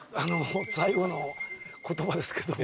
最後の言葉ですけど。